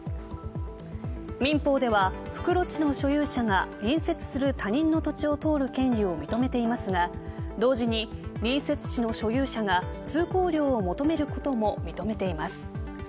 民法では、袋地の所有者が隣接する他人の土地を通る権利を認めていますが同時に、隣接地の所有者が通行料を求めることも認めています。